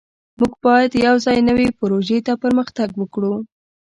موږ باید یوځای نوې پروژې ته پرمختګ وکړو.